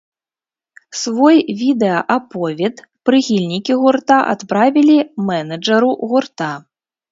Свой відэааповед прыхільнікі гурта адправілі мэнэджару гурта.